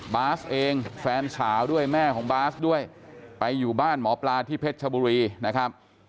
บาสเองแฟนสาวด้วยแม่ของบาสด้วยไปอยู่บ้านหมอปลาที่เพชรชบุรีนะครับ